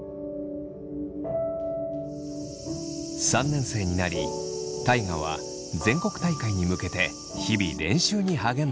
３年生になり大我は全国大会に向けて日々練習に励んでいた。